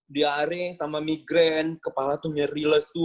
diare sama migren kepala tuh nyeriles tuh